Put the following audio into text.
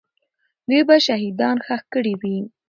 دوی به شهیدان ښخ کړي وي.